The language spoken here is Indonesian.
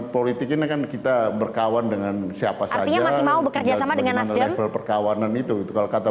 politik ini kan kita berkawan dengan siapa saja mau bekerja sama dengan perpakaian itu kalau kata